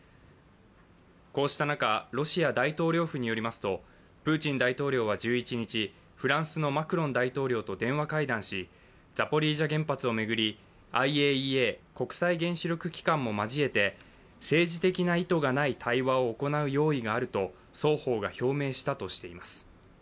こうした中ロシア大統領府によりますとプーチン大統領は１１日、フランスのマクロン大統領と電話会談しザポリージャ原発を巡り、ＩＡＥＡ＝国際原子力機関も交えて政治的な意図がない対話を行う用意があると双方が表明したとしています。